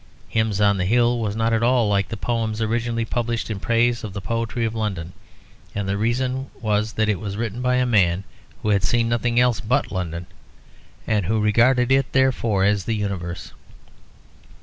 "Hymns on the Hill" was not at all like the poems originally published in praise of the poetry of London. And the reason was that it was really written by a man who had seen nothing else but London, and who regarded it, therefore, as the universe.